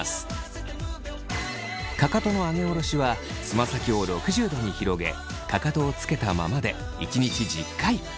かかとの上げ下ろしはつま先を６０度に広げかかとをつけたままで１日１０回。